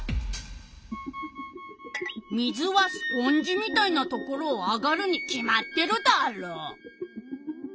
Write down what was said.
水はスポンジみたいなところを上がるに決まってるダーロ？